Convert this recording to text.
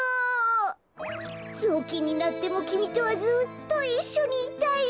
ぞうきんになってもきみとはずっといっしょにいたいよ。